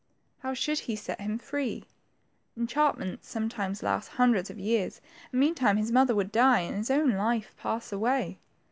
How should he set him free ! Enchantments some times lasted hundreds of years, and meantime his mother would die, and his own life pass^way.